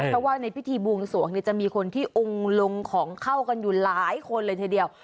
เพราะว่าในพิธีบวงสวงจะมีคนที่องค์ลงของเข้ากันอยู่หลายคนเลยทีเดียว